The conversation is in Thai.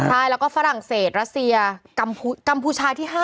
ใช่แล้วก็ฝรั่งเศสรัสเซียกัมพูชาที่๕